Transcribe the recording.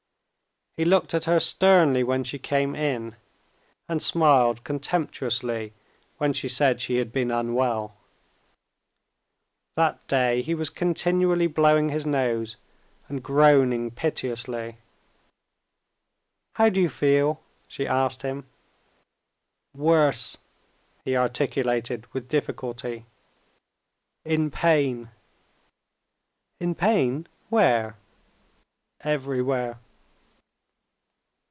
He looked at her sternly when she came in, and smiled contemptuously when she said she had been unwell. That day he was continually blowing his nose, and groaning piteously. "How do you feel?" she asked him. "Worse," he articulated with difficulty. "In pain!" "In pain, where?" "Everywhere."